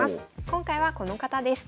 今回はこの方です。